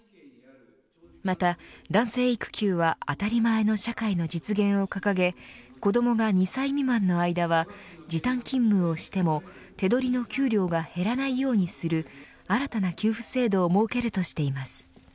また、男性育休は当たり前の社会の実現を掲げ子どもが２歳未満の間は時短勤務をしても手取りの給料が減らないようにする新たな給付制度を設けるとしています。